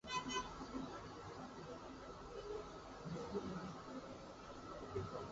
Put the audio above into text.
Apareció durante muy poco tiempo en Fortnite battle royale, pero se eliminó posteriormente.